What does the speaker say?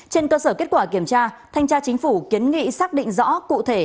trên cơ sở kết quả kiểm tra thanh tra chính phủ kiến nghị xác định rõ cụ thể